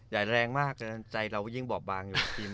ใหญ่แรงมากใจเราก็ยิ่งบอบบางอยู่ทีม